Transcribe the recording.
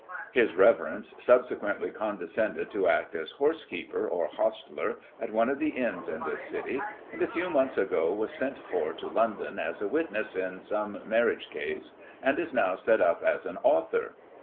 His reverence subsequently condescended to act as horsekeeper, or hostler, at one of the inns in this city, and a few months ago was sent for to London, as a witness, in some marriage case, and is now set up as an author